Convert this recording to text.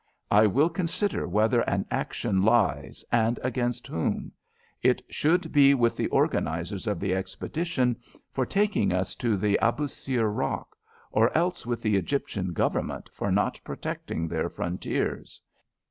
"I will consider whether an action lies, and against whom. It should be with the organisers of the expedition for taking us to the Abousir Rock or else with the Egyptian Government for not protecting their frontiers.